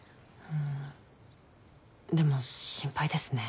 でも心配ですね。